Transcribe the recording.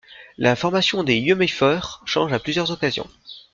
La formation des Yummy Fur change à plusieurs occasions.